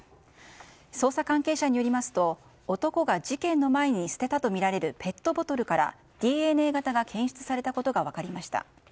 捜査関係者によりますと男が事件の前に捨てたとみられるペットボトルからＤＮＡ型が検出されたことが分かりました。